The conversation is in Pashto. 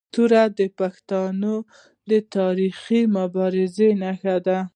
توره د پښتنو د تاریخي مبارزو نښه ده.